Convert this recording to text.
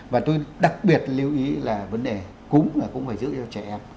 và tôi đặc biệt lưu ý là vấn đề cúng là cũng phải giữ cho trẻ em